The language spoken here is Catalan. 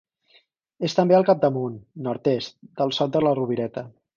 És també al capdamunt, nord-est, del Sot de la Rovireta.